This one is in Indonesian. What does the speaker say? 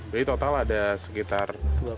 jadi total ada sekitar